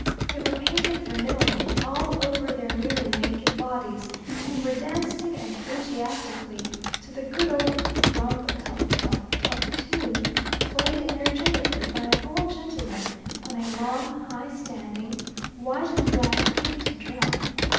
They were painted vermilion all over their nearly naked bodies, and were dancing enthusiastically to the good old rump a tump tump tump tune, played energetically by an old gentleman on a long, high standing, white and black painted drum.